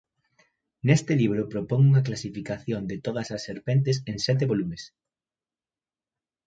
Neste libro propón unha clasificación de todas as serpentes en sete volumes.